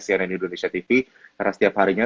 cnn indonesia tv karena setiap harinya